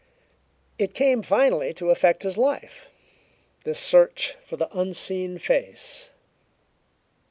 It came finally to affect his life this search for the unseen face.